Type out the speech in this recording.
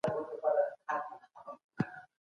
ميرويس خان نيکه څنګه د خپل مشرتابه ځواک وساته؟